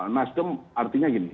nasdem artinya gini